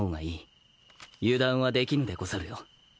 油断はできぬでござるよ。